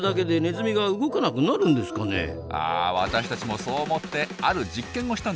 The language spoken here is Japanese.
私たちもそう思ってある実験をしたんです。